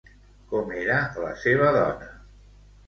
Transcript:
Com era la seva dona?